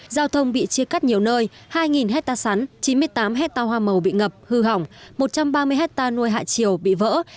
giao thông bị chia cắt nhiều nơi hai hectare sắn chín mươi tám hectare hoa màu bị ngập hư hỏng một trăm ba mươi hectare nuôi hạ chiều bị vỡ